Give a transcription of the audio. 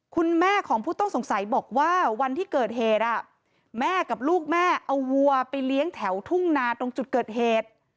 คุณแม่ของผู้ต้องสงสัยบอกว่าวันที่เกิดเหตุแม่กับลูกแม่เอาวัวไปเลี้ยงแถวทุ่งนาตรงจุดเกิดเหตุ